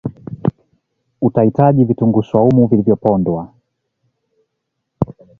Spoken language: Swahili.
utahitaji Vitunguu swaumu vilivyopondwa